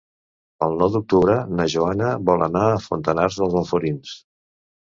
El nou d'octubre na Joana vol anar a Fontanars dels Alforins.